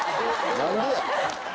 何でや。